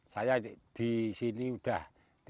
saya di sini sudah